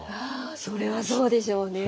それはそうでしょうね。